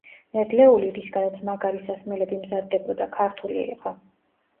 ნედლეული, რისგანაც მაგარი სასმელები მზადდებოდა, ქართული იყო.